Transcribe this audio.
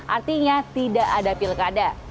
artinya tidak ada pilkada